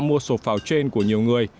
mua sổ pháo trên của nhiều người